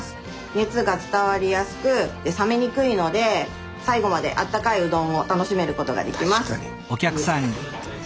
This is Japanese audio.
熱が伝わりやすく冷めにくいので最後まであったかいうどんを楽しめることができます。